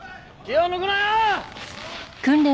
気を抜くな！